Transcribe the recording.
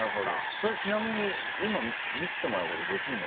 それちなみに今見せてもらうことできるの？